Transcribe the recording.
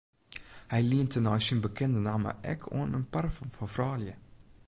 Hy lient tenei syn bekende namme ek oan in parfum foar froulju.